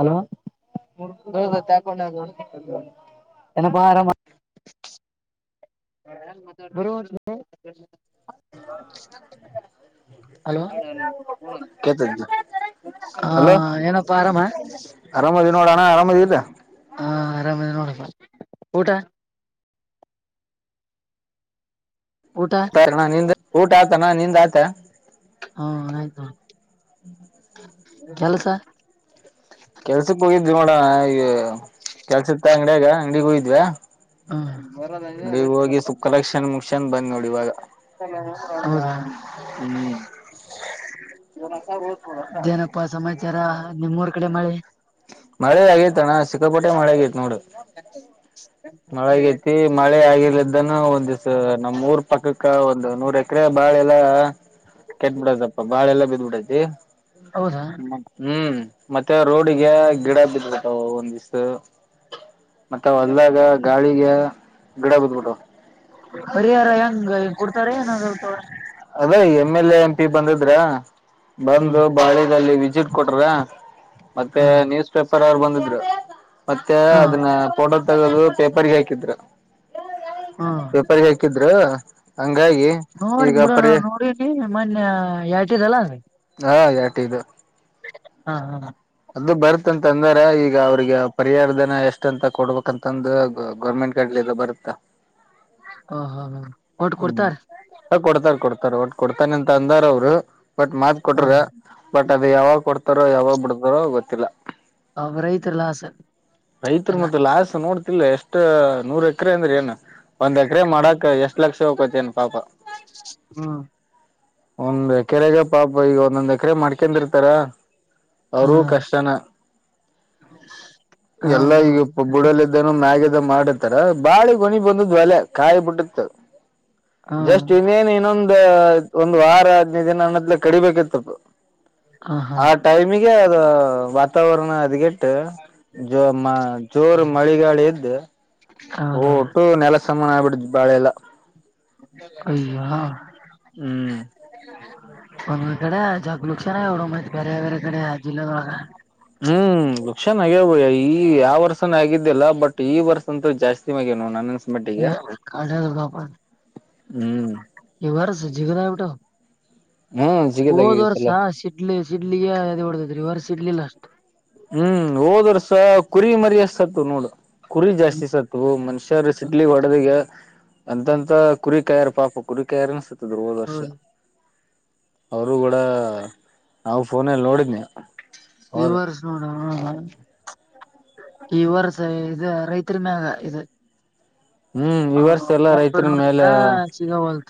hello ತಾಕೊಂಡೊಂಡಪ್ಪ ಆರಾಮ [unintelligible] ಗ [unintelligible] ಹಲೋ ಹ ಅಲೋ ಏನಪ್ಪಾ ಆರಾಮ ಹ ಅರಾಮದಿ ನೋಡೋಣ ಅರಾಮದಿ ಇಲ್ಲಾ ಹಾ ಆರಾಮದ ನೋಡ ಊಟ ಊಟ ಸರಿ ನ ನಿಂದ ಊಟ ಆತನಾ ನಿಂದ ಆತ ಹಾ ಆಯ್ತು ಕೆಲಸ ಇ ಮಾಡೋಣ ಈ ಕೆಲ್ಸ ಇತ್ತ ಅಂಗಡಿಯಾಗ ಅಂಗಡಿಗೆ ಹಯಿದ್ವ ಹ್ಮ ನಡಿಗ್ ಹೋಗಿ ಸುಕ್ಕಲಕ್ಷನ್ ಮುಗಕ್ಷನ್ ಬಂದ್ ನೋಡಿ ಇವಾಗ [unintelligible] ಹ್ಮ್ ಯನಪ್ಪ ಸಮಾಚಾರ ನಿಮೂರ್ ಕಡೆ ಮಾಡಿ ಮಳೆದ ಆಗೇತ್ತ ಅಣ್ಣ ಸಿಕ್ಕಾಪೋಟೆ ಮಳೆ ಆಗೇತ್ ನೋಡು ಹ [unintelligible] ಮಳೆ ಆಗೈತಿ ಮಳೆ ಆಗಿರ್ಲ ಎಂದ್ ಇದನ್ನ ಒಂದಿಸ ನಮ್ಮ್ ಊರ್ ಪಕ್ಕಕ್ಕ ಒಂದು ನೂರ್ ಎಕರೆ ಬಾಳೆ ಎಲೆ ಆ ಕೆಟ್ ಬಿಡದಪ್ಪ ಬಾಳೆ ಎಲೆ ಬಿದ್ಬಿಟ್ಟತಿ ಹೌದಾ ಹ್ಮ ಹ್ಮ್ ಮತ್ತೆ ಮತ್ತೆ ರೋಡಿಗೆ ಗಿಡ ಬಿದ್ಬಿಟ್ಟವು ಒಂದ್ ದಿಸ್ಸ್ ಮತ್ತೆ ಹೊಲ್ದಾಗ ಗಾಳಿಗೆ ಗಿಡ ಬಿದ್ಬಿಟ್ಟವು ಪರಿಹಾರ ಹೆಂಗ ಕೊಡ್ತಾರ ಏನಂದ್ರಂತೆ ಅದೇ M L A M P ಬಂದಿದ್ರ ಹ್ಮ ಬಂದು ಬಾಳೆಎಲೆಲ್ಲಿ ವಿಸಿಟ್ ಕೊಟ್ರ ಮತ್ತೆ ಹ ನ್ಯೂಸ್ ಪೇಪರ್ ಅವ್ರು ಬಂದಿದ್ರು ಮತ್ತೆ ಹ ಅದನ್ನ ಫೋಟೊ ತಗ ಪೇಪರ್ಗೆ ಹಾಕಿದ್ರು ಪೇಪರ್ಗೆ ಹಾಕಿದ್ರು ಹಂಗಾಗಿ ನೋಡ ಈಗ ಬಿಡೋ ನ ಪರಿ ನೋಡಿನಿ ಮೊನ್ನೆ ಯತಿದಲ್ಲ ಹಾ ಯಾಟ ಇದು ಹಾ ಹಾ ಅದು ಬರ್ತ್ಂತ ಅಂದ್ರ ಈಗ ಅವ್ರಿಗೆ ಪರಿಹಾರ ದನ ಎಷ್ಟ ಅಂತ ಕೊಡ್ಬೇಕಂತಂದು ಗೌರ್ಮೆಂಟ್ ಕಡ್ಲಿ ಬರುತ್ತಾ ಹ ಹಾ ಹಾ ಕೊಟ್ ಹ್ಮ್ ಕೊಡ್ತಾರ ಕೊಡ್ತಾರ ಕೊಡ್ತಾರ ಒಟ್ ಕೊಡ್ತಾನ ಅಂತ ಅಂದಾರ ಅವರು ಬಟ್ ಮಾತ್ ಹ ಕೊಟ್ರ ಬಟ್ ಅದು ಯಾವಾಗ ಕೊಡ್ತಾರೋ ಯಾವಾಗ್ ಬಿಡ್ತಾರೋ ಗೊತ್ತಿಲ್ಲ ಅವ ರೈತರ ಲಾಸ್ ರೈತರು ಎಲ್ಲ ಮತ್ತೆ ಲಾಸ್ ನೋಡ್ತ ಇಲ್ಲ ಎಷ್ಟ ನೂರ್ ಎಕರೆ ಅಂದ್ರ ಏನ್ ಒಂದ್ ಎಕರೆ ಮಾಡಕ್ ಎಷ್ಟ್ ಲಕ್ಷ ಹೋಗಕೋತ್ತ ಏನ್ ಪಾಪ ಹ್ಮ ಒಂದ್ ಎಕರೆಗ ಪಾಪ ಈಗ ಒಂದೊಂದ್ ಎಕರೆ ಮಾಡ್ಕೊಂಡಿರ್ತಾರ ಹಾ ಅವರೂ ಕಷ್ಟನ ಹಾ ಎಲ್ಲಾ ಈಗ ಅದೇ ಬುಡಲ್ಲ ಇದ್ದೇನ ಮ್ಯಾಗ ಮಾಡತಾರ ಬಾಳಿ ಕೊಣಿ ಬಂದ ಒಲೆ ಕಾಯಿ ಬಿಟ್ಟತ್ ಹಾ ಜಸ್ಟ್ ಇನ್ನೇನು ಇನ್ನೊಂದ ಒಂದು ವಾರ ಹದ್ನೈ ದಿನ ಹಣದ್ಲ ಕಡಿಬೇಕಿತ್ತತ್ತು ಹ ಹಾ ಆ ಟೈಮಿಗೆ ಅದು ವಾತಾವರಣ ಅದಗಟ್ಟ ಜೋ ಜೋರ್ ಮಳೆಗಾಳಿ ಎದ್ದು ಹೌದೌದು ಟ್ಟು ನೆಲ ಸಮಾನ ಆಗ್ಬಿಡ ಬಾಳೆ ಎಲ್ಲ ಅಯಾ [unintelligible] ಹ್ಮ್ ಒಂದು ಈ ಕಡೆ ಜಗಲಲುಕ್ಷಾನ ಎಡ ಮಾಹಿತ ಬೇರೆ ವೇರರೆ ಕಡೆ ಜಿಲ್ಲದಾರ [unintelligible] ಹ್ಮ್ ವಕ್ಷನ್ಗ್ಯವುಯ ಈ ಯಾವ ವರ್ಷನ ಆಗಿದ್ದ್ಯಲ್ಲ ಬಟ್ ಈ ವರ್ಷ ಅಂತ ಜಾಸ್ತಿ ಸಿಮಾಗಾಗಿ ನೋ ನ [unintelligible] ಕಪ ಹ್ಮ್ ಇವಾರ ಸಜಿಗದ ಟ [unintelligible] ಹ್ಮ್ ಹೋದ್ ಜಿಗದಾಗಿವಿ ಈ ವರ್ಸ ಸಲ ಸಿಡ್ಲಿ ಸಿಡ್ಲಿಗೆ ಅದ ಹೊಡದದ್ರೀ ವರ್ ಇಡ್ಲಿಿಲ್ಲಾ ಹ್ಮ್ ಹೋದರ್ಸ ಕುರಿ ಮರ್ಯಸ್ತ್ ನೋಡು ಕುರಿ ಹ್ಮ್ ಜಾಸ್ತಿ ಸತ್ವು ಮನುಷ್ಯರು ಸಿಡ್ಲಿ ಒಡದಗ ಅಂತಂತ ಕುರಿಕಾಯಾರ್ ಪಾಪ ಕುರಿಕಾಯಾರ ಅನ್ಸತ ಧವದ ವರ್ಷ ಹೌದು ಅವರು ಕೂಡ ನಾವು ಫೋನಲ್ಲಿ ನೋಡಿದ್ನಿ ಈ ಹೌದು ವರ್ಷ ಹ ಈ ವರ್ಸ ಇ ರೈತರಿ ಮ್ಯಾಗ ಇ ಹ್ಮ್ ಈ ವರ್ಷ ಎಲ್ಲಾ ಹರ್ ರೈತರ ನೋಡಿದ್ರ ಮೇಲೆ ಸಿಗಲ್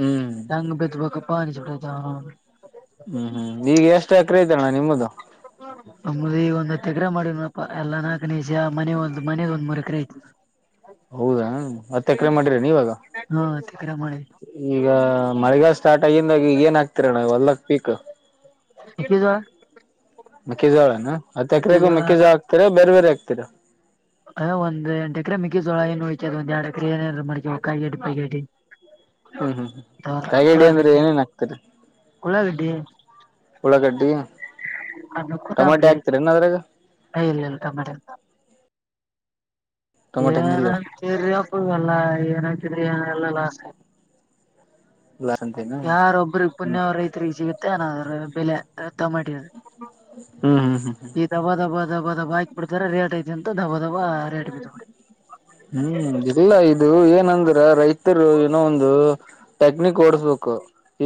ಹ್ಮ್ ಚಂಗ ಬತ ಬ ಪಾನಿ ಚಡ ಹ್ಮ್ ಹ್ಮ್ ಈಗ ಎಷ್ಟು ಎಕರೆ ಐತಣ್ಣ ನಿಮ್ಮದು ಮದು ಈ ಒಂದು ತೆಗ್ರ ಮಾಡಿದ್ನಪ್ಪ ಎಲ್ಲಾ ನಾಲ್ಕು ನಿಷ ಮನೆ ಒ್ ಮನೆಗ್ ಒಂದ್ರು ಎಕರೆ ಐತ ಹೌದಾ ಮತ್ತೆ ಎಕರೆ ಮಾಡಿರ ನೀವಾಗ ಹಾ ತೆಗ್ರ ಮಾಡಿ ಈಗ ಮಳೆಗ ಸ್ಟಾರ್ಟ್ ಆಗಿದಾಗ ಏನ್ ಆಕ್ತಿರಣ ಹೊಲ್ಕ್ ಪೀಕ್ ಮೆಕ್ಕಿಜೋಳ ಮೆಕ್ಕೀಜೋಳಾನ ಅ ಎಕರೆಗೂ ಮೆಕ್ಕಿಜೋಳ ಮೆಕ್ಕೇಜೋ ಆಗ್ತರ ಬೇರೆ ಬೇರೆ ಆಗ್ತ ಕಕ್ಕರ ಅ ಒಂದ ಎಂಟ ಎಕರೆ ಮಿಗಿ ಜೋಳ ಏ ಹೋಯ್ತದ ಒಂದ ಎಡ್ ಎಕರೆ ಏನ ಮಾಡ್ತ ಕಾಯಡಿಗಡಿ ಹ್ಮ್ ಹ್ಮ್ ಹ್ಮ್ ಕಾಗೇಡಿ ಅಂದ್ರೆ ಏನೇನ್ ಆಗ್ತರಿ ಉಳ್ಳಾಗಡ್ಡಿ ಉಳ ಗಡ್ಡಿ ಅದುಕು ತಂಬ್ರಲ್ಲಲ್ಲ ಟೊಮಾಟೆ ಏನಿಲ್ಲ ಏನಂತೀರಿ ಅಪ್ಪಲ್ಲ ಏನಂತೀರಿ ಏನಲ್ಲಲ್ಲ ಇಲ್ಲ ಲಾಸ್ ಅಂತೇನ ಯಾರೊಬ್ಬ್ರ ಹ್ಮ್ ಪುಣ್ಯ ಅವ್ರಐತ್ರಿ ಜೀಗ ಮತ್ತ ಏನಾದ್ರೂ ಬೆಲೆ ತಮಟಿ ಹ್ಮ್ ಹ್ಮ್ ಹ್ಮ್ ಹ್ಮ್ ಈ ದಬ ದಬ ಧಬ ದಬಾ ಹಾಕ ಬಿಡ್ತಾರ ರೇಟ್ ಐತಿ ಅಂತ ಧಬ್ಬ ದಧಬ ರೇಟ್ ಬಬಡಿ ಹ್ಮ್ ಇಲ್ಲ ಇದು ಏನಂದ್ರ ರೈತ ಏನೋ ಒಂದು ಟೆಕ್ನಿಕ್ ಓಡಸ್ಬೇಕು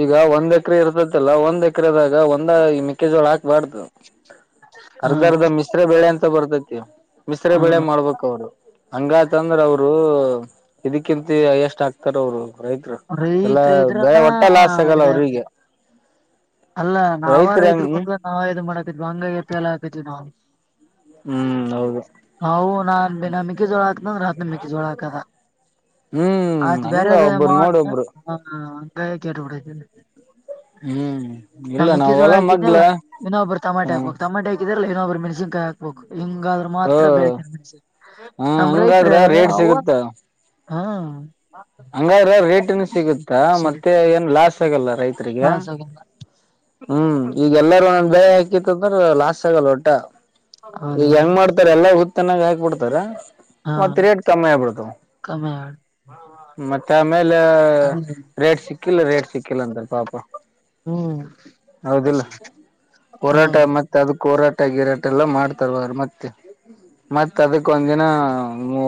ಈಗ ಒಂದ್ ಎಕರೆ ಇರ್ತತಿಲ್ಲ ಒಂದ್ ಎ ಹಕ್ರದಾಗ ಒಂದ ಈ ಮೆಕ್ಕೆಜೋಳ ಹಾಕ್ಬಾರ್ದು ಹಾ ಅರ್ಧ ಅರ್ಧ ಮಿಸ್ರ ಬೆಳೆ ಅಂತ ಬರ್ತೇತಿ ಮಶ್ರ ಹಾ ಬೆಳೆ ಮಾಡ್ಬೇಕ ಅವರು ಹಂಗತಂದ್ರ ಅವ್ರು ಇದಕ್ಕಿಂತ ಎಷ್ಟ ಆಕ್ತಾರ ಅವರು ರೈತರು ಎಲ್ಲಾ ಅವ್ರತ್ ಬೆಳೆ ಇದ್ರನಾ ಒಟ್ಟ ಲಾಸ್ ಆಗಲ್ಲ ಇದಾವೆ ಅವ್ರಿಗೆ ಅಲ್ಲ ನಾವ ರೈತರ ರೈತರು ಹೆಂಗ ಕುಂತ ನಾವ ಇ ಮಾಡಾಕಿದ್ವಿ ಅಂಗ ಎಪೆ ಎಲ್ಲ ಹಾಕಿದ್ವಿ ನಾವು ಹ್ಮ್ ಹೌದು ಹೌ ನನ್ ಬಿನ ಮಿಿಕ ಜೋಳ ಇನ್ನಂದ್ರ ಹತ್ನಂಬ ಜೋಳ ಹಾಕದ ಹ್ಮ್ ಆಯ್ತು ಬೇರೆ ಹಂಗ ಅದೇ ಒಬ್ಬರು ಮಾಡ್ ನೋಡ ಹ ಒಬ್ರು ಹ ಅಡ ಹ್ಮ್ ಇಲ್ಲ ನಮಿಕ ನಾವ್ ಜೋಳ ಹೊಲ ಮಗ್ಲ ಹಾಕಿದಲ್ಲ ಇನ್ನ ಒಬ್ಬರು ಟಮಾಟೆ ಹ್ಮ ಹಾಕ್ಬೇಕುಟಮಾಟೆ ಹಾಕಿದಲ್ಲ ಅವ್ರ ಮೆಣಸನ್ಕಾಯ ಹಾಕ್ಬೇಕು ಹಿಂಗಾದ್ರರು ಮಾತ್ರ ಹ ಬೆಳತೇನೆ ಮಸ ಹಾ ನಮ ರೈತ್ರ ಹಂಗಾದ್ರ ಯ ರೇಟ್ ಹಾ ಹಂಗ್ರ ರೇಟ್ ಏನ್ ಸಿಗುತ್ತಾ ಸಿಗ ಮತ್ತೆ ಏನ್ ಲಾಸ್ ರ ಹಾ ಸಿಗಲ್ಲ ಹ್ಮ ಈಗಲ್ಲಾರ ಒ ಬಳ ಹಾಕಿತ್ತಂದ್ರೆ ಲಾ ಆಗಲ್ಲ ಒಟ ಈಗ ಹೆಂಗ್ ಹೌದೌದು ಮಾಡ್ತಾರ ಎಲ್ಲಾ ಉತ್ ತನ್ನಾಗ ಹಾಕ್ಬಿಡ್ತಾರ ಮತ್ತ ರೇಟ್ ಕಮ್ಮಿ ಆಗ್ಬಿಡ್ತು ಕಮ್ಯಾಳ್ ಮತ್ತೆ ಆಮೇಲೆ ರೇಟ್ ಸಿಕ್ಕಿಲ್ಲ ರೇಟ್ ಸಿಕ್ಕಿಲ್ಲ ಅಂತಾರ ಪಾಪ ಹ್ಮ್ ಹೌದಿಲ್ಲ ಹೋರಾಟ ಹ್ಮ್ ಮತ್ತೆ ಅದಕ್ಕೆ ಹೋರಾಟ ಟ ಗಿರಾಟ ಎಲ್ಲ ಮಾಡ್ತಾವ ಮತ್ತೇನ್ ಮತ್ತತ್ ಅದಕ್ ಒಂದ ದಿನ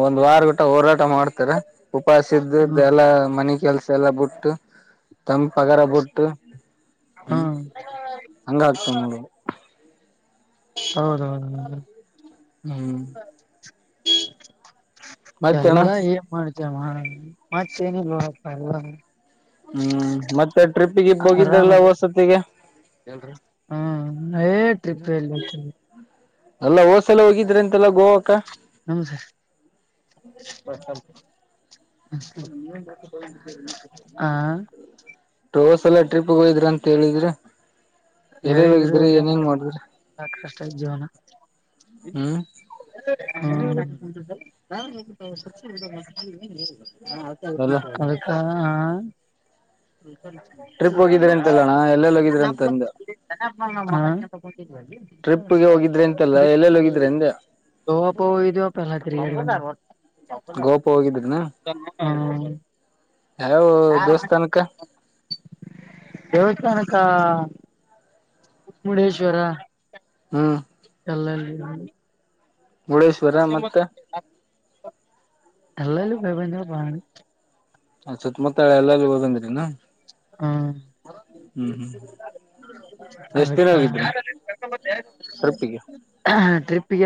ಒಂದ್ ವಾರ ಗಟ್ಟ ಹೋರಾಟ ಊಟ ಮಾಡ್ತಾರ ಉಪವಾಸ ಇದ್ದಿದ್ದು ಹ್ಮ್ ಎಲ್ಲಾ ಮನೆ ಕೆಲ್ಸ ಎಲ್ಲ ಬಿಟ್ಟು ತಂಪಗರ ಬಿುಟ್ಟು ಹ್ಮ್ ಹಂಗ ಆಗ್ತವ ನೋಡು ಹೌದು ಹೌದು ಹ್ಮ್ [inaudible] ಮತ್ತೇಣ ಎಲ್ಲ ಏನ್ ಮಾಡ ಮಾಡ ಮೆನೋಲ್ಲ [unintelligible] ಹ್ಮ್ ಮತ್ತೆ ಟ್ರಿಪ್ಪಿಗೆ ಗಿಫಹೋಗಿದ್ರಲ್ಲ ಹೊಸತಿಗಿ ಹ್ಮ ಎ ಟ್ರಿಪ್ ಎ ಅಲ್ಲ ಹೋದ್ಸಲ ಹೋಗಿದ್ರಂತೆಲ್ಲ ಗೋವಾಕ್ಕ ನಮ ಸ [unintelligible] ಹ ಹೋದ್ಸಲ ಟ್ರಿಪ್ ಗೆ ಹೋಗಿದ್ರಿ ಅಂತ ಹೇಳಿದ್ರಿ ಎಲ್ಲೆಲ್ಲಿ ಹೇಳಿದ್ರು ಹೋಗಿದ್ರಿ ಏನ್ ಏನೇನ್ ಮಾಡ್ತಿ ಮಾಡಿದ್ರಿ ಕಷ್ಟ ಐತಿ ಜೀವನ [inaudible] [inaudible] ಹ್ಮ್ ಎಲ್ಲ ಅದಕ್ಕ ಹಾ ಟ್ರಿಪ್ ಹೋಗಿದ್ರೆ ಅಂತೆಲ್ಲಣ್ಣ ಎಲ್ಲೆಲ್ಲಿ ಹೋಗಿದ್ರೆ ಅಂತ ಅಂದೆ ಹ ಹ ಟ್ರಿಪ್ಗೆ ಹೋಗಿದ್ರಿ ಅಂತಲ್ಲ ಎಲ್ಲೆಲ್ಲಿ ಹೋಗಿದ್ರಿ ಅಂದೆ ಪ ಇದ ಪ ಎಲ್ಲ ತಿ [unintelligible] ಗೋಪು ಹೋಗಿದ್ರನ ಹ್ಮ್ ಯಾವ ದೇವಸ್ಥಾನಕ್ಕೆ ದೇವಸ್ಥಾನಕ್ಕ ಮುಡೇಶ್ವರ ಹ್ಮ ಚಲ್ಲಲ್ಲಿ [unintelligible] ಮುಳೇಶ್ವರ ಮತ್ತೆ ಎಲ್ಲ ಬಭಂದ [unintelligible] ಸುತ್ತಮುತ್ತಾಳ ಎಲ್ಲಲ್ಲಿೂ ಹೋಗಂದ್ರಿ ನ ಹ್ಮ್ ಹ್ಮ್ ಹ್ಮ್ [inaudible] ಎಷ್ಟ್ ದಿನ ಅದಕ್ಕೆ ಹೋಗಿದ್ರ ಟ್ರಿಪ್ಪಿಗೆ ಟ್ರಿಪ್ ಗ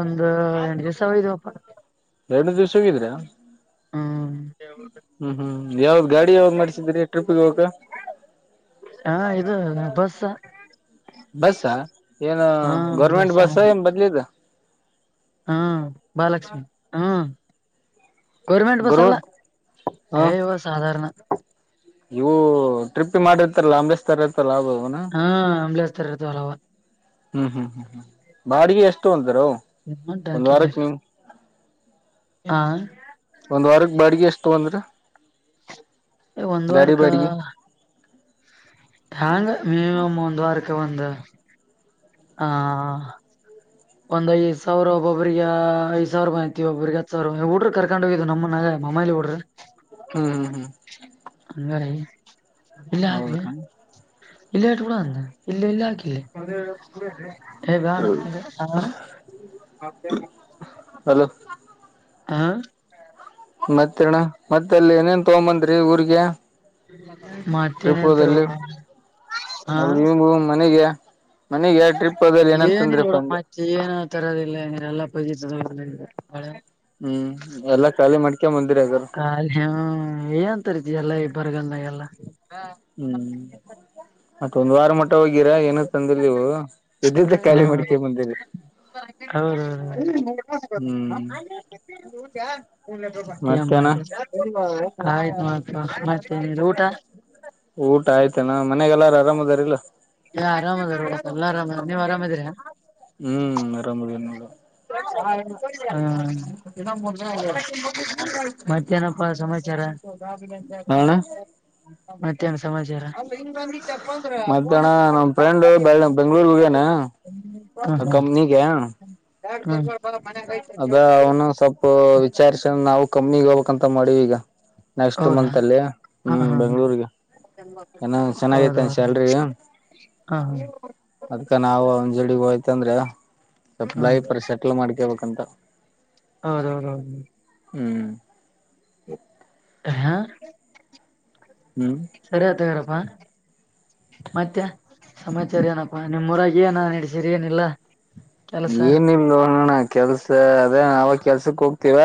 ಒಂದ ಎ ದಿವ್ಸಯಪ್ಪ [unintelligible] ಎರಡು ದಿವ್ಸ ಹೋಗಿದರ್ಯಾ ಹ್ಮ್ ಹ್ಮ್ ಹ್ಮ್ ಯಾವ್ದ ಗಾಡಿ ಯಾವ್ದ್ ಮಾಡ್ಸಿದ್ರಿ ಟ್ರಿಪ್ಗೆ ಹೋಗಕ್ಕೆ ಹಾ ಇದು ಬಸ್ ಬಸ್ಸ ಏನು ಹಾ ಗೌರ್ಮೆಂಟ್ ಬಸ್ ಏನ್ ಬದ್ಲಿದ ಹ್ಮ ಬಾಲಕ್ಷ್ಮಿ ಹ್ಮ ಗರ್ಮೆಂಟ್ ಬಸ ಗರು ಅಲ್ಲ ಹ ಎ ಯವ ಸಾಧಾರಣ ಇವು ಟ್ರಿಪ್ ಗೆ ಮಾಡಿರ್ತಲ್ಲ ಅಂಬಿಸ್ತರ್ ಇರ್ತ್ತಲ್ಲ ಅವ್ರು ಹಾ ಅಂಬ್ಲಸ್ತರತ ಹಲವ ಹ್ಮ ಹ್ಮ್ ಬಾಡಿಗೆ ಎಷ್ಟು ಒಂತಾರ ಒಂದ್ ವಾರಕ್ ನೀವ್ ಹಾ ಒಂದ್ ವಾರಕ್ ಬಾಡಿಗೆ ಎಷ್ಟು ತಗೊಂಡ್ರಿ ಒಂದು ವಾರಕ್ಕಾ ಹಂಗ ಮಿನಿಮಂ ಒಂದ ವಾರಕ್ಕೆ ಬಂದ [unintelligible] ಹಾ ಒಂದ್ಐದ ಸಾವಿರ ಒಬ್ಬ್ರಿಗೆ ಐದ ಸಾವಿರ್ಐತಿ ಒಬಿಗೆ ಹತ್ತು ಸಾವಿರ ಹುಡುಗರ ಕರ್ಕೊಂಡ್ ಹೋಗಿದು ನಮ್ಮನಾಗ ಮಮ್ಮಲಿ ಬಿೋಡ್ರಿ [unintelligible] ಹ್ಮ್ ಹ್ಮ್ ಹ್ಮ್ ಹಂಗಾರ ಇಲ್ಲ ಹಾಗಲಿ ಹೌದ್ರಿ [unintelligible] ಇಲ್ಲ ಆಟ್ ಕೂಡ ಅಂದ ಇಲ್ಲಿ ಇಲ್ಲ ಹಾಕಿಲ್ಲ ಹೇಗ ಹ ಹಲ ಹ ಮತ್ತಣ ಮತ್ತ ಅಲ್ಲಿ ಏನೇನ್ ತಗೊಂಬಂದರಿ ಊರ್ಗೆ ಟ್ರಿಪ್ ಮಾಡ್ತೇನೆ ಅಂತ ಹೋದಲ್ಲಿ ಇರ್ಬೇಕ ಹ ಅವ ಇ ಮನೆಗೆ ಮನೆಗೆ ಟ್ರಿಪ್ ಹೋದಲ್ಲಿ ಏನ ಏನಂತಂದ್ರಪ್ಪ ಇಿಲ್ಲೋಡ ಅಂದೆ ಮಾಿ ಏನು ತರೋದಿಲ್ಲರೆಲ್ಲ ಬಳ ಹ್ಮ್ ಎಲ್ಲಾ ಖಾಲಿ ಮಡ್ಕೆ ಬಂದಿರ ಅದಾರ ಖ ಏ [unintelligible] ಅಂತಾರ ಎಲ್ಲಾ ಇ ಬರಗನಾಗ ಎಲ್ಲ ಹ್ಮ್ ಮತ್ತೊಂದು ವಾರ ಮಟ್ಟ ಹಗಿರಾ ಏನ ತಂದವು ಇದ್ದ್ದ ಖಾಲಿ ಮಡಿಕೆ ಬಂದಿರಿ ಹೌದೌ ಹ್ಮ್ ಏನ್ ಮಾಡ ಮತ್ತೇನ ಆಯ್ತುತ ಮತ ಊಟ ಊಟ ಆಯ್ತನಾ ಮನೆಯಗೆಲ್ಲಾರು ಆರಾಮ್ದಾರಲ್ಲ ಹಾ ಆರಾಮ ಅದ ಎಲ್ಲಾ ಆರಾಮದ ನೀವ್ ಆರಾಮದ್ರಿ ಹ್ಮ್ ನರಾಮರಿ ನೋಡ ಹಾ ಮತ್ತೆ ಮನಪ್ಪಾ ಸಮಾಚಾರ ಹಾ ಮತ್ತಹ್ನ ಸಮಾಚಾರ ಮತ್ತ್ಯಾಹಣ ನಮ ಫ್ರೆಂಡ್ ಬೆಂಗ್ಗಳೂರ್ಗೇನೆ ಕಂನ ಕಣ ಯ ಅದ ಅವನು ಸ್ವಲ್ಪ ವಿಚಾರ್ಸ ನಾವು ಕಮ್ಮಿಗ್ ಹೋಗ್ಬೇಕಕ್ಂತ ಮಾಡೀವ ಈಗ ನೆಕ್ಸ್ಟ್ ಹೌದಾ ಮಂತ್ ಅಲ್ಲಿ ಹಾ ಹ್ಮ್ ಹಾ ಹಾ ಬೆಂಗ್ಗಳೂರ್ಗೆ ನ ಚೆನ್ನಾಗೈತೆ ಹೌದೌದು ಶಲ್ರಿ ಹಾ ಹಾ ಅದ್ಕ ನಾವು ಅಂಜಳಿಗೆ ಹೋಯ್ತಂದ್ರೆ ಸ್ಲ್ ಲೈಫರ್ ಸೆಟ್ಲ್ ಮಾಡ್ಕೇಳ್ಬೇಕಂತ ಹೌದೌದೌದೌ ಹ್ಮ್ ಹ ಹ್ಮ್ ಸರಿತಾರ ಹಾಹ ಮತ್ತೆ ಸಮಾಚಾರ ಏನಪ್ಪ ನಿಮ್ಮ್ರಾಗ ಏನ ನಡ್ಸೀರಿ ಏನಿಲ್ಲ ಕೆಲಸ ಏನ್ ನಿಮ್ದ ನೋಣ ಕೆಲ್ಸ ಅದೇ ಅವಾಗ ಕೆಲ್ಸಕ್ ಹೋಗ್ತಿವ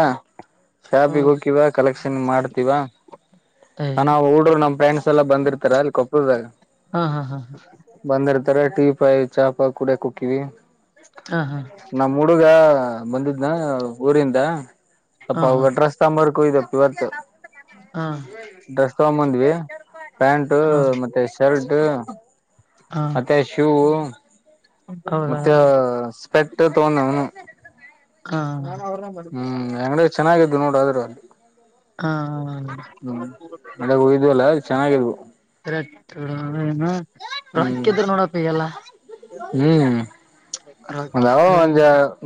ಶಾಪಿಗೆ ಹ್ಮ್ ಹೋಗಕೀವ ಕಲೆಕ್ಷನ್ ಮಾಡ್ತೀವಾ ಸಣ ಹಊಡ್ರು ನಮ್ ಡ್ಸ್ ಎಲ್ಲ ಬಂದಿರ್ತಾರ ಅಲ್ಲಿ ಕೊಪ್ಪದಾಗ ಹಾ ಹಾ ಹಾ ಈ ತರ ಟೀ ಪಾಯಿ ಚಾಪಾ ಕುೂಡಕ್ ಕುಕ್ಕವಿ ಹಾ ಹಾ ನಮ್ಮ್ ಹುಡುಗ ಬಂದಿದ್ನ ಊರಿಂದ ಸ್ವಪ ಹಾ ಹಾ ಅವಗಡ್ರಸ್ತಾಂಬಕು ಇದಪ್ಪ ಇವತ್ತು ಹಾ ಡ್ರೆಸ್ ತಗೊಂಬಂದ್ವಿ ಪ್ಯಾಂಟ್ ಹಾ ಮತ್ತೆ ಶರ್ಟ್ ಹಾ ಮತ್ತೆ ಶೂ ಹೌದಾ ಮತ್ತೆ ಸ್ಪೆಟ್ ತಗೊಂಡ ಅವನು ಹಾ ಹ್ಮ್ ಅಂಗಡ ಚೆನ್ನಾಗಿದ್ದು ನೋಡಾದ್ರೂ ಅಲ್ಲಿ ಹಾ ಹ ಹ್ಮ್ ಮಡಗೆ ಹೋಯ್ವಲ್ಲ ಚೆನ್ನಾಗಿದ್ವು ಹನ ಹ್ಮ್ ಹ್ಮ್ ರೊಕ್ಕ ಒವ ಹಾ ಒಂದ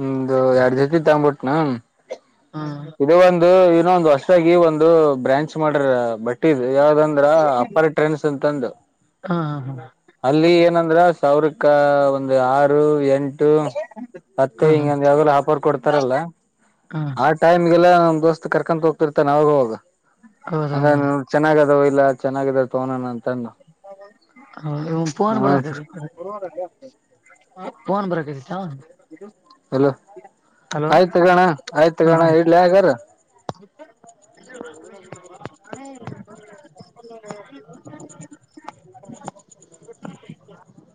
ಒಂದು ಎರಡ್ ದಸ ತ್ಬಿಟ್ನಾ ಹಾ ಇದು ಒಂದು ಇನ್ನೊ ಒಂದು ಹೊಸದಾಗಿ ಒಂದು ಬ್ರಾಂಚ್ ಮಾಡರ ಬಟ್ಟೆ ಇದು ಯಾವ್ದಂದ್ರ ಅಪ್ಪರ್ ಟ್ರೆನ್ಸ್ ಅಂತಂದು ಹಾ ಅಲ್ಲಿ ಏನಂದ್ರ ಸಾವಿರಕ್ಕ ಒಂದು ಆರು ಎಂಟು ಮತ್ತೆ ಹಾ ಹಿಂಗಂದ ಯಾವಾಗಲ ಆಫರ ಕೊಡ್ತಾರಲ್ಲ ಹಾ ಆ ಟೈಮ್ಗೆಲ್ಲ ದಸ್ತ ಕರ್ಕೊ ಹೋಗ್ತಿರ್ತ ನಾಗ ಹೋಗ ಹಂಗ ಹೌದೌದು ಚೆನ್ನಾಗ ಅದಾವ ಇಲ್ಲ ಚನ್ನಾಗಿದಾವ ತಗೋಣ ಅಂತ ಹ ಪೋನ ಹಾ ಬರ ಸರ್ ಕತೈತಿ ಫೋನ್ ಬರಕ ಹಲೋ ಆಯ್ತು ಗಣ ಆಯ್ತು ಗಣ ಇಡ್ಲಿ ಯಗಾರ [inaudible] ಷ್ಟ